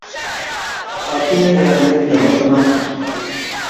Atinye kalyet nebo iman